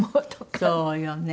そうよね。